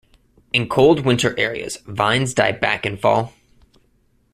In cold winter areas, vines die back in fall.